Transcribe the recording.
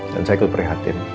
dan saya ikut perhatian